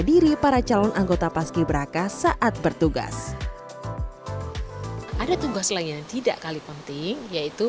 diri para calon anggota paski beraka saat bertugas ada tugas lain yang tidak kalah penting yaitu